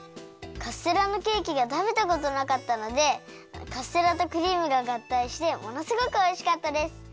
カステラのケーキがたべたことなかったのでカステラとクリームががったいしてものすごくおいしかったです。